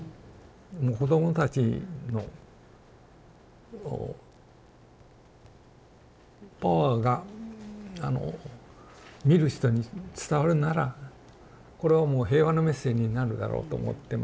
もう子どもたちのパワーがあの見る人に伝わるんならこれはもう平和のメッセージになるだろうと思ってまして。